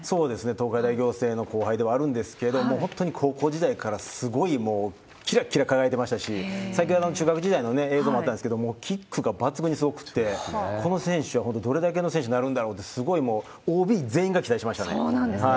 東海大仰星の後輩ではあるんですけど、本当に高校時代からすごいもう、きらきら輝いてましたし、先ほど中学時代の映像もあったんですけども、キックが抜群にすごくて、この選手は本当どれだけの選手になるんだろうって、すごいもう、そうなんですね。